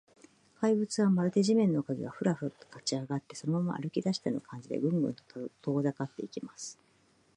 怪物は、まるで地面の影が、フラフラと立ちあがって、そのまま歩きだしたような感じで、グングンと遠ざかっていきます。